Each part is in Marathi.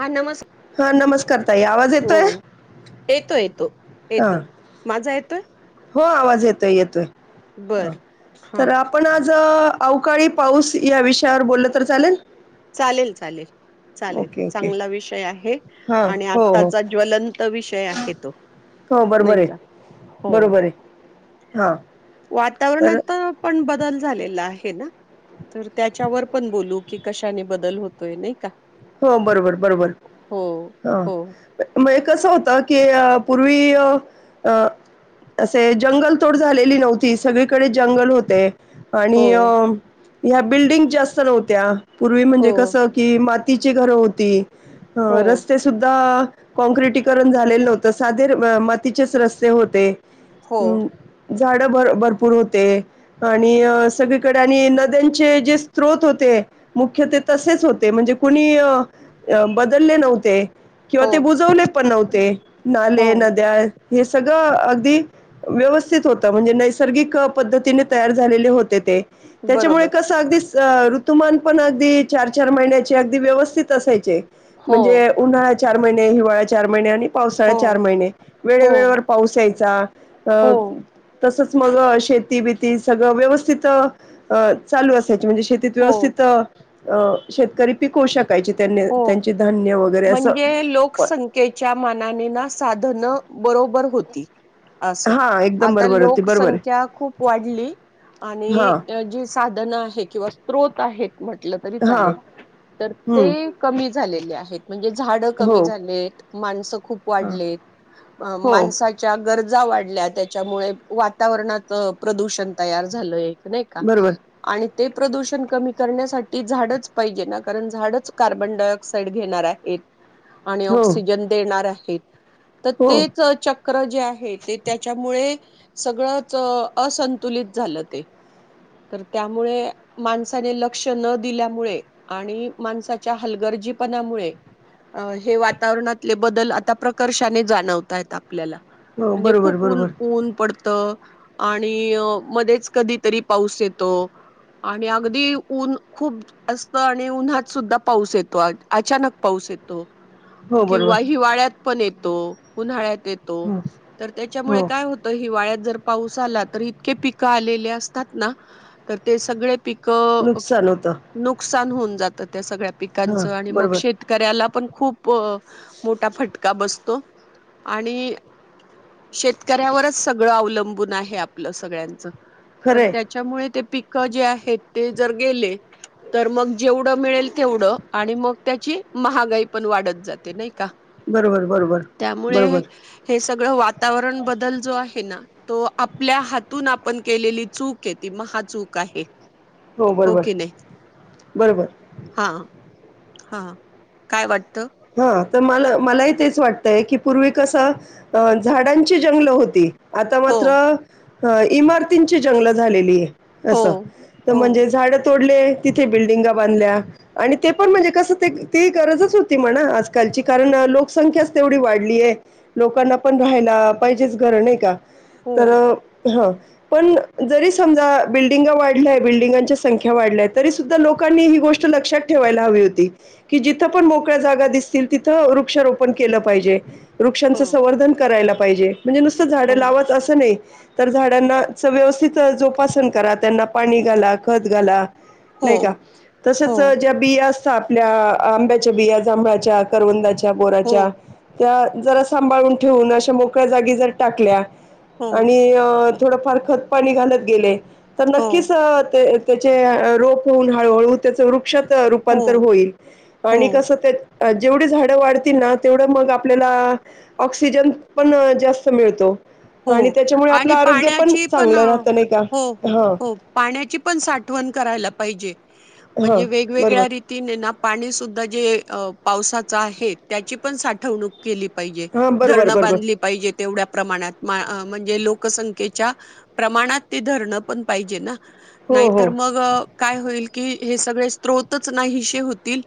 हा नमस हा नमस्कार ताई आवाज येतोय हम्म येतो येतो. हा येतो माझा येतोय? हो आवाज येतोय येतोय अ बर हा तर आपण आज ज अवकाळी पाऊस या विषयावर बोललं तर चालेल चालेल चालेल चालेल ओके ओके चांगला विषय आहे हां आणि हो हो आताचा ज्वलंत विषय आहे तो हो नाही बरोबर का आहे बरोबर आहे हा वातावरणात पण ब बल झा आहे तर त्याच्यावर पण बोलू की कशाने बदल होतोय नाही का हो बरोबर बरोबर हो हा हो म कसं होत की पूर्वी असे जंगल तोड झालेली नव्हती सगळीकडे जंगल होते आणि हो अ ह्या बिल्डिंग जास्त नव्हत्या पूर्वी म्हणजे हो कसं की तिची घरं होती अ हो रस्ते सुद्धा कॉँक्रिटीकरण झालेलं हो्हतं साधे मातीचेच रस्ते होते हो झाड भर भरपूर होते आणि सगळीकडे आणि नद्यांचे जे स््रोत होते मुख्य ते तसेच होते म्हणजे कुणी बदलले नव्हते किंवा हो ते बुजवले पण हो नव्हते नाले हो नद्या हे सगळं अगदी व्यवस्थित होत म्हणजे नैसर्गिक पद्धतीने तयार झालेले होते ते त्याच्यामुळे बरोबर कसं अगदी ऋतुमान पण अगदी चार चार महिन्या अगदी व्यवस्थित असायचे हो म्हणजे उन्हाळ्या चार महिने हिवाळ्या चार महिने्या आणि पावसाळा हो चार महिने हो वेळवेेळेवर पाऊस यायचा अ तसंच मग शेती बिती सगळं व्यवस्थित चालू असत म्हणे शेती हो व्यवस्थित अ शेतकरी पिकू शक हो म्हणजे लोकसंख्येच्या मानाने ना साधन बरोबर होती असं, हा एकदम आता बरोबर होती बरोबर आहे लोकसंख्या खूप वाढली हा आणि जी साधनं आहेत किंवा स्त्रोत आहेत म्हटलं तरी हा चालेल तर ते हम्म कमी झालेले आहेत म्हणजे झाड हो कमी झाले आहेत माणस खूप हा वाढलेत. अ हो माणसाच्या. गरजा वाढल्या, त्याच्यामुळे वातावरणाच प्रदूषण तयार झालयं. नाही का? बरोबर आणि ते प्रदूषण कमी करण्यासाठी झाडच पाहिजे ना? कारण झाडच. कार्बन डायऑक्साइड घेणार आहेत. आणि हो ऑक्सिजन देणार आहे. तर हो तेच चक्र. चक्र जे आहे तर त्याच्यामुळे सगळंच असंतुलित झालं ते, तर त्यामुळे माणसाने लक्ष न दिल्यामुळे आणि माणसाणे हलगरर्जीपणामुळे हे वातावरणातले बदल आता प्रकर्षाने जाणवत आहेत. आप आपल्याला हो म्हणजे बरोबर खूप ऊन बरोबर ऊन पडत. आणि मध्येच कधीतरी पाऊस येतो. आणि अगदी ऊन खूप जास्त आणि उन्हात सुद्धा. पाऊस येतो. अचानक पाऊस येतो. हो बरोबर किंवा हिवाळ्यात पण येत. तो उन्हाळ्यात. येतो हो तर त्याच्यामुळे हो काय होत हिवाळ्यात जर. पाऊस आला तर इतके पिकं आलेले असतात ना तर ते सगळे पीक. नुकसान. नुकसान होऊन जात त्या सगळ्या पिकाचं. हा पिकांचं आणि मग बरोबर शेतकऱ्याला पण. खूप मोठा फटका बसतो आणि शेतकऱ्यावरच सगळं अवलंबून आहे आपलं सगळ्यांचं. तर खरंय त्याच्यामुळे ते. पिक जे आहेत ते जर गेले तर मग जेवढं मिळेल. तेवढं आणि मग त्याची महागाई पण वाढत जाते, नाही का? बरोबर बरोबर त्यामुळे बरोबर हे सगळं वातावरण बदल जो आहे ना तो आपल्या हातून आपण केलेली चूक आहे ती महाचूक आहे हो बरोबर की नाही बरोबर. हा हा काय वाट. हा. तर मला मलाही तेच वाटतं आहे की पूर्वी कसं झाडांची जंगलं होती. आता हो मात्र. ह इमारतींची जंगल झालेली आहे. हो असं तर हो म्हणजे झाड तोड. तिथे बिल्डिंग बांधल्या आणि ते पणम्हणजे कस ते गरजचं होती. म्हणा आजकालची कारण लोकसंख्याच तेवढी वाढली आहे लोकांना पण राहायला पाहिजेच घरं नाही का? हो तर हा. पण जरी समजा बिल्डिंग वाढल्या बिल्डिंगच्या संख्या वाढल्या तरी सुद्धा लोकांनी ही गोष्ट लक्षात ठेवायला हवी होती क जिथ पण जागा दिसतील तिथं वृक्षारोपण केलं पाहिजे वृक्षांचं हो संवर्धन करायला पाहिजे म्हणजे नुसतं झाडे हो लावाच असं नाही तर झाडांना व्यवस्थित जोपासन करा त्यांना पाणी घाला खत गाला नाही का हो तसच हो ज्या बि आपल्या आंब्याच्या बिया जांभळाच्या करवंदाच्या बोराच्या हो त्या जरा सांभाळून ठेवून अशा मोकळ्या जागी जर टाकल्या हो आणि थोडंफार खत पाणी घालत गेले तर हो नक्कीच ते त्याचे रोप होऊन हळूहळू त्याचं वृक्षात हो रूपांतर होईल हो आणि कस जेवढी झाडं वाढतील ना तेवढं मग आपल्याला ऑक्सिजन पण जास्त मिळतो आणि हो त्याच्यामुळे आपलं आणि आरोग्य पाण्याची पण चांगलं हो राहतं नाही का? हो हां, हो पाण्याची पण साठवण करायला पाहिजे हां. म्हणजे बरोबर. वेगवेगळ्या रीतीने ना पाणी सुद्धा जे पावसाचा आहे त्याची पण साठवणूक केली पाहिजे हां, बरोबर, धरणं बरोबर. बांधली पाहिजे तेवढ्या प्रमाणात म्हणजे लोकसंख्ये प्रणात धरण पण पाहिजे ना हो, हो. नाहीतर मग काय होईल कि हे सगळे स््रोतच नाही होतील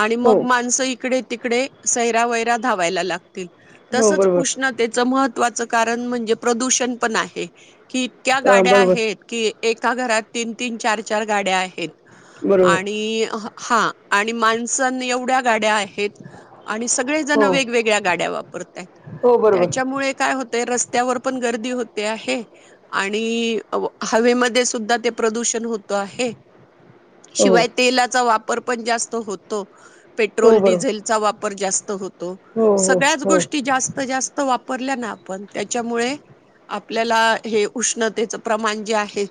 आणि हो, मग माणसं इकडे - तिकडे सैरा वैरा धावायला लागतील. हो. तसंच बरोबर. उष्णतेचं महत्व - वाचत कारण म्हणजे प्रदूषण पण आहे. कि इतक्या हां, गाड्या बरोबर, आहेत की! एका घरात तीन- तीन चार- चार गाड्या आहेत. बरोबर. आणि हा आणि माणसन एवढ्या गाड्या आहेत. आणि सगळे जण हो, वेगवेगळ्या गाड्या वापरतत हो. बरोबर. त्याच्यामुळे काय होत. ते रस्त्यावर पण गर्दी होते आहे आणि अव हवेमध्ये सुद्धां ते प्रदूषण होत आहे. हो, शिवाय तेलाचा वापर पण जास्त होतो. पेट्रोल हो. बरोबर. डिझेल चा वापर जास्त होतो. तो हो, हो, सगळ्याच हो. गोष्टी जास्त जास्त वाप परल्या ना पण त्याच्यामुळे आपल्याला हे उष्णतेच प्रमाण जे आहे,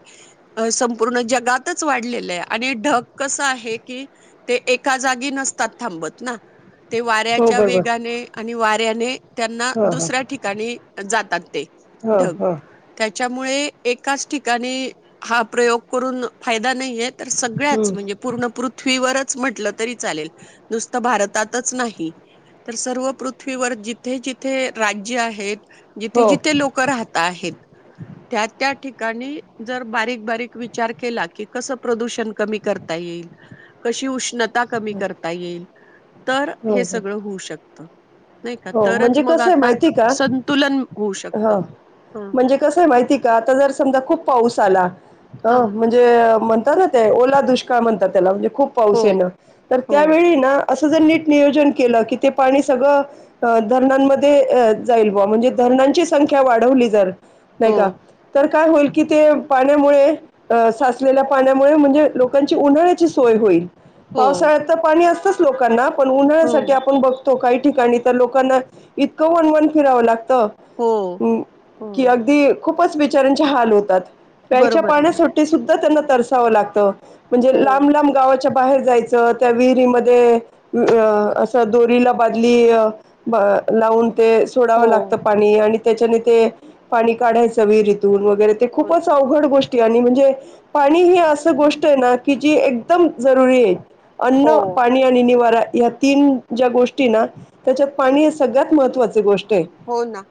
संपूर्ण जगातच वाढलेलं आहे आणि ढग कसं आहे कि ते एका जागी नसतात थांबत ना! ते हो, वाऱ्याच्या बरोबर. वेगाने आणि वा त्याने त्यांना हां, हां. दुसऱ्या ठिकाणी जातात ते हां, ढग हां. त्या च्यामुळे एकाच ठिकाणी हा प्रयोग करून फायदा नाहीयेत. तर सगळ्यांचं हं. म्हणजे पूर्ण पृथ्वीवरच च म्हटलं तरी चालेल नुसतं भारतातच नाही तर, सर्व पृथ्वीवर जिथे जिथे राज्य आहेत हो, जिथे जिथे लोक राहता आहेत त्या त्या ठिक काणी जर बारीक बारीक विचार केला की कसं प्रदूषण कमी करता येईल कशी उष्ण ता कमी करता येईल तर हो, हे हो. सगळं होऊ शक त हो म्हणजे कसंय माहितीये का? संतुलन होऊ हा शकतं ह म्हंजे कसं आहे माहिती का आता जर समजा खूप पाऊस आला हा हम्म म्हणजे अ हो ना ते ओला दुष्काळ म्हणतात त्याला म्हंजे खूप हो पाऊस येण तर हो त्यावेळी ना असं जर नीट नियोजन केलं की ते पाणी सगळं तर धरणांमध्ये अ जाईल बुवा म्हणजे धरणांची संख्या वाढवली जर नाही हो का तर काय होईल की ते पाण्यामुळे अ साचलेल्या पाण्यामुळे म्हणजे लोकांची उन्हाळ्याची सोय होईल. हो पावसाळ्यात तर पाणी असतच लोकांना पण हो उन्हाळ्यासाठी आपण बघतो काही ठिकाणी तर लोकांना इतकं वणवण फिरावं लाग तर हो ह हो कि अगदी खूपच बिचार्याचे हाल होतात. प्यायच्या बरोबर ना. पाण्यासाठी सुद्धा त्यांना तरस तव लागत. म्हणजे हो लांब लांब गावाच्या बाहेर जायचं त्या विहिरीमध्ये असं दोरीला बादली ब लावून ते हो सोडावं लागतं पाणी आणि त्याच्याने ते पाणी काढायच विहिरीत. दूर वगैरे ते हो खूपच अवघड गोष् ती आणि म्हणजे ती ही असं गोष्टय ना की की एकदम जरुरी ये हो अन्न पाणी आणि निवारा या तीन ज्या गोष्टीना त्याच्यात पाणी हे सगळ्यात महत्त्वाचं हो ना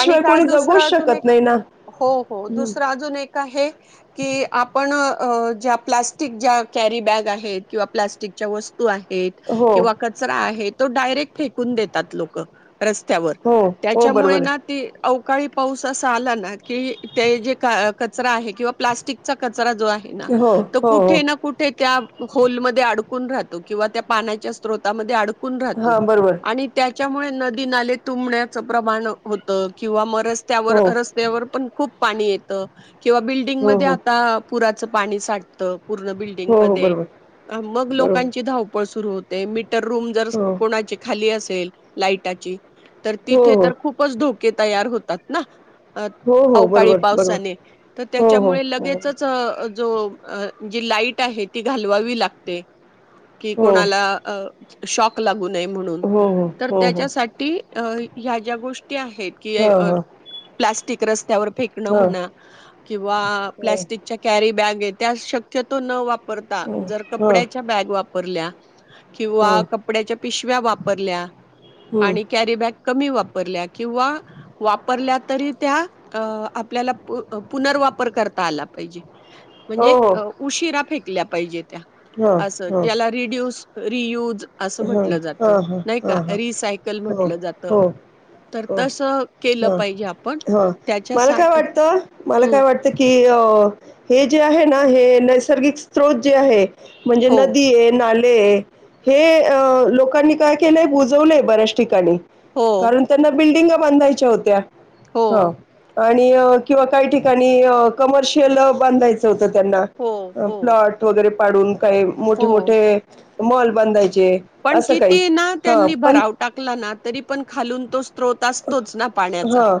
आणि काय दुसर जगूच अजून एक शकत नाही ना हो, हो दुसरं अजून एक आहे की आपण अ ज्या प्लास्टिक ज्या कॅरी बॅग आहेत किंवा प्लास्टिकच्या वस् तू आहेत हो किंवा कचरा आहेत. तो डायरेक्ट फेकून देतात लोकं रस्त्यावर. हो हो त्याच्यामुळे बरोबर ना आहे ते अवकाळी पाऊस असा आला ना. कि ते जे कचरा आहे किंवा प्लास्टिकचा क कचरा जो आहे ना हो हो हो कुठे ना कुठे त्या होलमध्ये अडकून राहतो किंवा त्या पाण्याच्या स्त्रोतामध्ये अड चुकून राहतो हा बरोबर आणि त्या च्यामुळे नदी नाले तुबण्याच प्रमाण होत किंवा म रस्त्यावर, हो रस्त्यावर पण खूप पाणी येतं. किंवा हो बिल्डिंगमध्ये हो आता पुरात चं पाणी साठतं. पूर्ण बिल्डंग हो हो मध्ये बरोबर मग बरोबर लोकांची धावपळ सु सुरू होते मी तर रूम जर हो हो कोणाची खाली असेल. लाईटाची तर तिथे हो तर खूपच धूप- तयार होतात ना- हो हो अवकाळी बरोबर बरोबर पावसाने तर हो हो हो त्याच्यामुळे बरोबर लगेचच- जो जी लाईट आहे ती घालवावी लागते- कि हो कोणाला अ- शॉक लागु- नये म्हणून हो हो तर हो हो त्याच्यासाठी- ह्या ज्या गोष्टी- आहेत की हां हां प्लास्टिक- रस्त्यावर. फेक हां म्हणा किंवा प्लास्टिकच्या कॅरीबॅग- त्या शक्यतो न वापरता- जर हां हां कपड्याच्या बॅग वापरल्या- हां किंवा हां कपड्याच्या पिशव्या वापरल्या हं. आणि- कॅरी बॅग कमी वापरल्या किंवा- वापरल्या तरी त्या आपल्याला पुनर वापर करता आला पाहिजे- हो म्हणजे हो उशिरा फेकी- कल्या पाहिजेत- हां असं हां ज्याला रिड्यूस- रियूज. असं हां म्हटलं जातं हां हां नाही का हां हां रिसायकल म्हण- हो हो हो केलं पाहिजे आपण हो मला त्याच्यासा काय वाटत मला हम्म काय वाटत की हे जे आहे आहे नैसर्गिक स्रोत जे आहे म्हणजे हो नदी आहे नाले ते. हे लोकांनी काय केलंय बुजवलंय बऱ्याच ठिकाणी. हो कारण त्यांना बिल्डिंग. बांधायच्या होत्या- हो हा- आणि किंवा काही ठिकाणी कमर्शियल बांधायचं होतं. त्यांना हो हो प्लॉट वगैरे- पाडून- काही मोठे हो मोठे- मॉल बांधायचे पण असं काही. किती ना हां, त्यांनी पण भराव टाकला ना तरी पण खालून तो स्रोत असतोच ना पाण्याचा हां,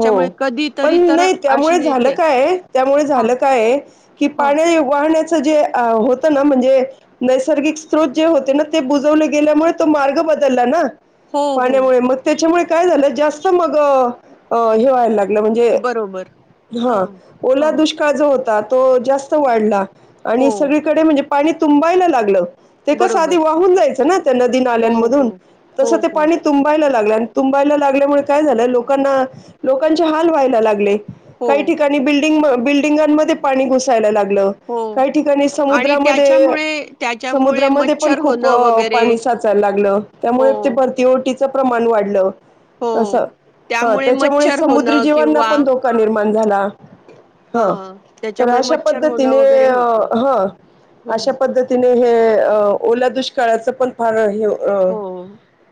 हो. कधी पण तरी तर नाही त्यामुळे अशी झालं येते काय आहे त्यामुळे हा झालं हा सजे अ होत ना म्हणजे नैसर्गिक स्रोत जे होते ना ते बुजवले गेल्यामुळे तो मार्ग बदलला ना हो हो पाण्यामुळे मग त्याच्यामुळे काय झालं जास्त अस मग हे वाहायला लागत. म्हणजे बरोबर हा ओला हा दुष्काळ जो होतात तो जास्त वाढला हो आणि सगळीकडे म्हणजे पाणी तुंबायला लागलं ते कसं बरोबर आधी वाहून जायचं ना नदी हो हो नाल्यामधून तस हो ते हो पाणी तुंबायला लागलं चांगल आहे तुंबायला लागल्यामुळे काय झालं लोकांनी लोकांच्या हाल व्हायला लागलय हो काही ठिकाणी बील बिल्डिंग बिल्डिंगमध्ये पाणी घुसायला लागलय हॅलो हो काही ठिकाणी आणि समुद्रामध्ये त्याच्यामुळे त्याच्यामुळे समुद्रामध्ये पण मच्छर खूप होणं वगैरे पाणी साचायला लागलं हो त्यामुळे ते भरती पण भितीच प्रमाण वाढलं हो अस हा त्यामुळे त्याच्यामुळे मच्छर समुद्री होणं जीवांना किंवा पण धोका निर्माण होतो पन झाला हा तर त्याच्यामुळे अशा मच्छर होणं पद्धतीने वगैरे होतं ह अशा हम्म पद्धतीने हे ओला दुष्काळाच पण फार हे अ हो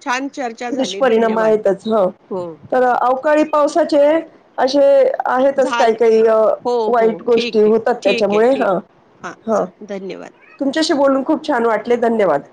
छान चर्चा झाली दुष्परिणाम धन्यवाद आहेतच हा हो तर अवकाळी पावसाचे अे आहेतच काही झालं काही हो हो वाईट ठीक गोष्टी आहे होतात ठीक आहे त्याच्यामुळे ठीक हा आहे हां च हा धन्यवाद तु बोलून खूप छान वाटले धन्यवाद